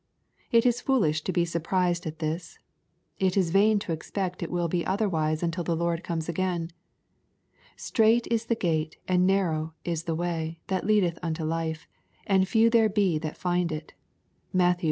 It is foolish to be surprised at this. It is vain to expect it will be otherwise until the Lord comes again. " Strait is the gate^ and narrow is the way, that leadeth unto life, and few there be that find it." (Matt.